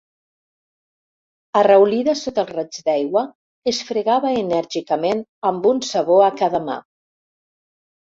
Arraulida sota el raig d'aigua, es fregava enèrgicament amb un sabó a cada mà.